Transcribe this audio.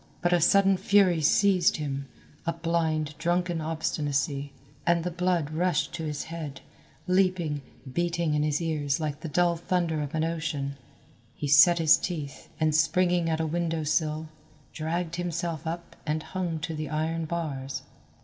But a sudden fury seized him, a blind, drunken obstinacy, and the blood rushed to his head, leaping, beating in his ears like the dull thunder of an ocean. He set his teeth, and springing at a window sill, dragged himself up and hung to the iron bars.